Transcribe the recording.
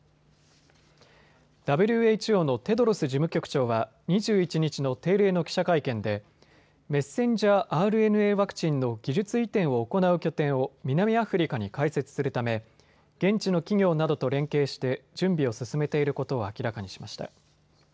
ＷＨＯのテドロス事務局長は２１日の定例の記者会見でｍＲＮＡワクチンの技術移転を行う拠点を南アフリカに開設するため現地の企業などと連携して準備を進めていることを明らかにしました。